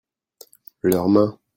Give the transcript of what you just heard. leur main.